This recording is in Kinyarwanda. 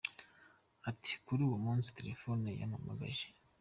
Ati “Kuri uwo munsi, telefoni yarampamaye.